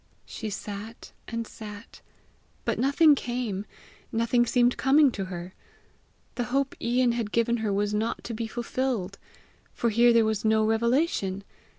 She sat and sat, but nothing came, nothing seemed coming to her. The hope Ian had given her was not to be fulfilled! For here there was no revelation!